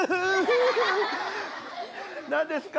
何ですか？